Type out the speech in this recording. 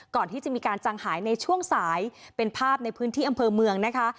ก่อนที่จะมีการจังหายในช่วงสายเป็นภาพในพื้นที่อำเภอเมืองนะคะ